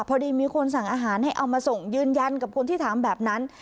พอดีมีคนสั่งอาหารให้เอามาส่งยืนยันกับคนที่ถามแบบนั้น